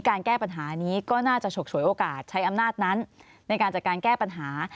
การแก้ปัญหานี้ก็น่าจะฉกฉวยโอกาสใช้อำนาจนั้นในการจัดการแก้ปัญหา